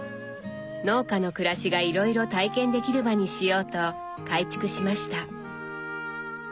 農家の暮らしがいろいろ体験できる場にしようと改築しました。